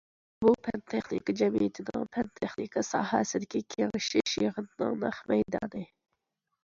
بۇ، پەن- تېخنىكا جەمئىيىتىنىڭ پەن- تېخنىكا ساھەسىدىكى كېڭىشىش يىغىنىنىڭ نەق مەيدانى.